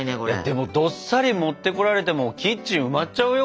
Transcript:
でもどっさり持ってこられてもキッチン埋まっちゃうよ